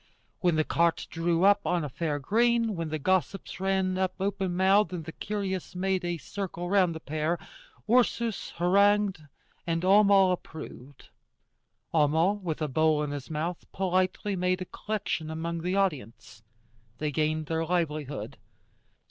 When the cart drew up on a fair green, when the gossips ran up open mouthed and the curious made a circle round the pair, Ursus harangued and Homo approved. Homo, with a bowl in his mouth, politely made a collection among the audience. They gained their livelihood.